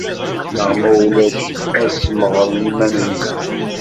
Neɣ ma ulac ad smeɣren iman-nsen.